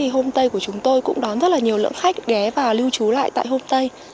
hôm tây của chúng tôi cũng đón rất nhiều lượng khách ghé và lưu trú lại tại hôm tây